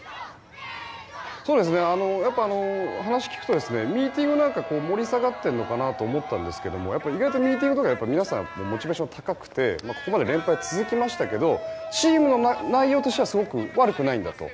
話を聞くとミーティングなんか盛り下がっているのかなと思ったんですが意外とミーティングとかで皆さんモチベーションが高くてここまで連敗が続きましたがチームの内容としてはすごく悪くないんだと。